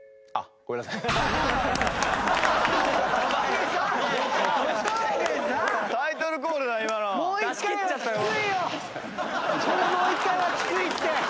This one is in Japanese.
これもう一回はきついって。